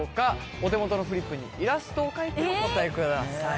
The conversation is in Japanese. お手元のフリップにイラストを描いてお答えください